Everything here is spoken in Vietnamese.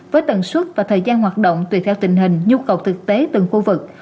với tần suất và thời gian hoạt động tùy theo tình hình nhu cầu thực tế từng khu vực